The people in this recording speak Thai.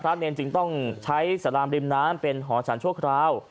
เนรจึงต้องใช้สารามริมน้ำเป็นหอฉันชั่วคราว